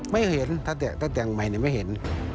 ไม่เห็นถ้าแต่งใหม่ไม่เห็น